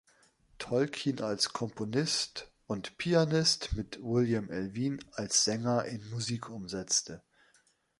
Tolkien als Komponist und Pianist mit William Elvin als Sänger in Musik umsetzte.